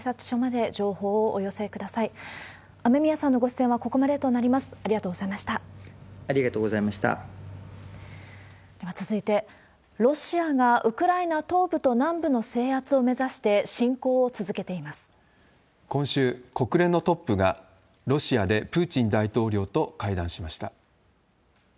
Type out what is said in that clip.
では続いて、ロシアがウクライナ東部と南部の制圧を目指して侵攻を続けていま今週、国連のトップがロシアでプーチン大統領と会談しました。